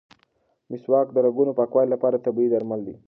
مسواک د رګونو د پاکوالي لپاره طبیعي درمل دي.